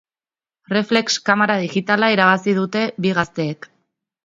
Reflex kamara digitala irabazi dute bi gazteek.